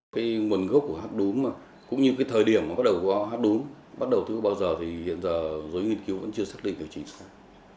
cái nguồn gốc của hát đúng mà cũng như cái thời điểm nó bắt đầu có hát đúng bắt đầu từ bao giờ thì hiện giờ dối nghiên cứu vẫn chưa xác định được chính xác